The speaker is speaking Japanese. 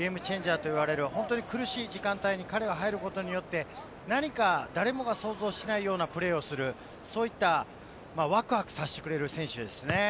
ゲームチェンジャーといわれる、苦しい時間帯に彼が入ることによって何か誰もが想像しないようなプレーをする、そういったワクワクさせてくれる選手ですね。